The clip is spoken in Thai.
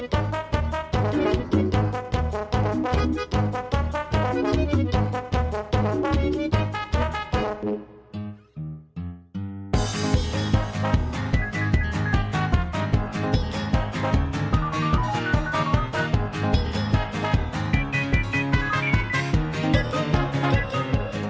ฮิลลี่มันรู้สึก